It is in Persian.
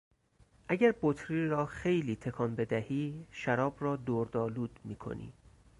اگر بطری را خیلی تکان بدهی شراب را دردآلود میکنی.